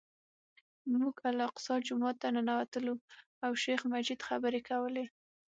موږ الاقصی جومات ته ننوتلو او شیخ مجید خبرې کولې.